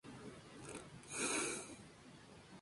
Donde es común a escala local pero sus registros son escasos.